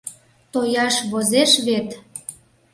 Тояш возеш вет?